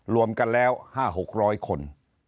รวมกันแล้ว๕๖๐๐คน